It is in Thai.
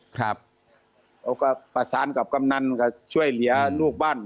เขาก็ประสานกับกำนันกับช่วยเหลือลูกบ้าน